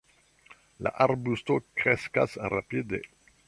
La arbusto kreskas rapide.